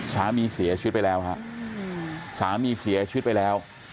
สามีเสียชีวิตไปแล้วฮะสามีเสียชีวิตไปแล้ว